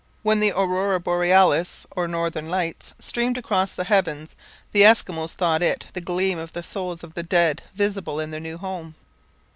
When the aurora borealis, or Northern Lights, streamed across the heavens, the Eskimos thought it the gleam of the souls of the dead visible in their new home.